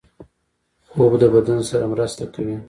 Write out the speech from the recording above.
خوب د بدن سره مرسته کوي